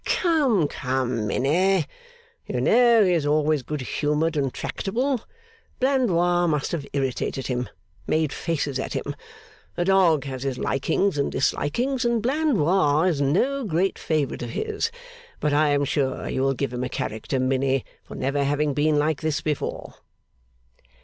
'Come, come, Minnie! You know he is always good humoured and tractable. Blandois must have irritated him, made faces at him. The dog has his likings and dislikings, and Blandois is no great favourite of his; but I am sure you will give him a character, Minnie, for never having been like this before.